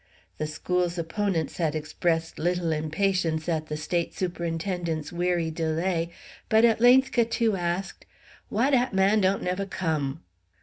The school's opponents had expressed little impatience at the State Superintendent's weary delay, but at length Catou asked, "Why dat man don't nevva come!"